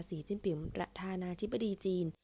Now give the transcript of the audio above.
จิ้มปิ๋มประธานาธิบดีจีน